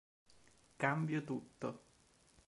Cambio tutto!